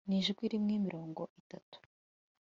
Nijwi rimwe mirongo itatu